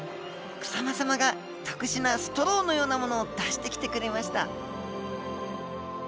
草間さまが特殊なストローのようなものを出してきてくれました。